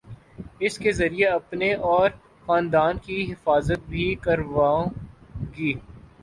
اس کے ذریعے اپنے اور خاندان کی حفاظت بھی کروں گی